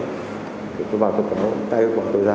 thì tôi vào tôi có tay gọi tôi ra